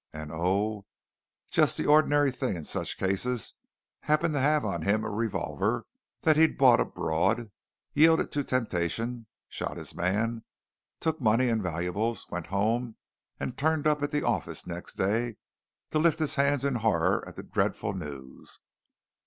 And, oh, just the ordinary thing in such cases, happened to have on him a revolver that he'd bought abroad, yielded to temptation, shot his man, took money and valuables, went home, and turned up at the office next day to lift his hands in horror at the dreadful news.